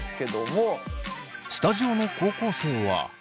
スタジオの高校生は。